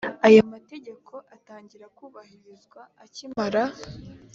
aya mategeko atangira kubahirizwa akimara